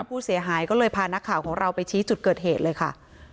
ผู้เสียหายก็เลยพานักข่าวของเราไปชี้จุดเกิดเหตุเลยค่ะ